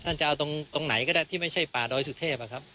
ท่านจะเอาตรงไหนก็ได้ที่ไม่ใช่ป่าโดยสุเทพครับ